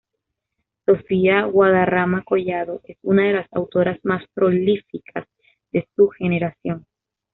Sofía Guadarrama Collado es una de las autoras más prolíficas de su generación.